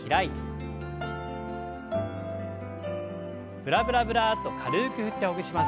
ブラブラブラッと軽く振ってほぐします。